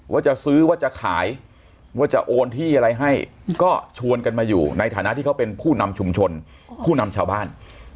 ว่าจะซื้อว่าจะขายว่าจะโอนที่อะไรให้ก็ชวนกันมาอยู่ในฐานะที่เขาเป็นผู้นำชุมชนผู้นำชาวบ้าน